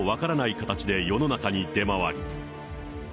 形で世の中に出回る。